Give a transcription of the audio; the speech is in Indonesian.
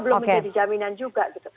belum menjadi jaminan juga